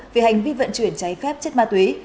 về hành vi vận chuyển cháy phép chất ma túy